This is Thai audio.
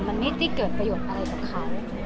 มันไม่ได้เกิดประโยชน์อะไรกับเขา